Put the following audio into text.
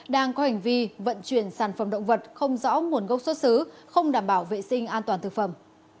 đang có hành vi vận chuyển sản phẩm động vật không rõ nguồn gốc xuất xứ không đảm bảo vệ sinh an toàn thực phẩm